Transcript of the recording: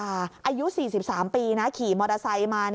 อายุ๔๓ปีนะขี่มอเตอร์ไซค์มา